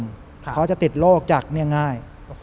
เพราะจะติดโรคจากนี่ง่าย